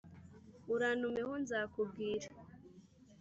urantume ho nzakubwire,